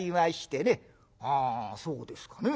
「はあそうですかね。